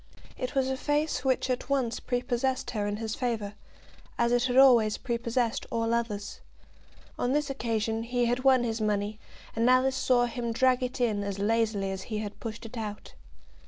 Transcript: It was a face which at once prepossessed her in his favour, as it had always prepossessed all others. On this occasion he had won his money, and Alice saw him drag it in as lazily as he had pushed it out.